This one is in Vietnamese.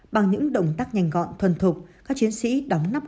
bằng những động tác nhanh gọn thuần thục các chiến sĩ đóng nắp